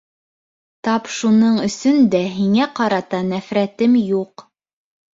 Тап шуның өсөн дә һиңә ҡарата нәфрәтем юҡ.